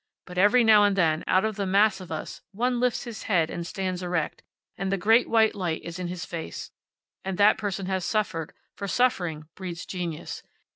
But every now and then, out of the mass of us, one lifts his head and stands erect, and the great white light is in his face. And that person has suffered, for suffering breeds genius.